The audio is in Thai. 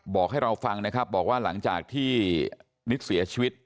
บอกให้เราฟังนะครับบอกว่าหลังจากที่นิดเสียชีวิต